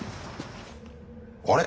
あれ？